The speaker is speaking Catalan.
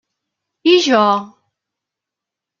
I jo?